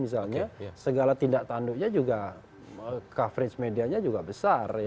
misalnya segala tindak tanduknya juga coverage medianya juga besar